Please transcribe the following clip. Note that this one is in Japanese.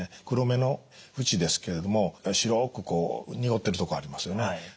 黒目の縁ですけれども白く濁ってるとこありますよね。